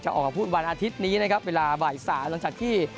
จะออกกับพูดวันอาทิตย์นี้นะครับเวลาวัยศาลตั้งจากที่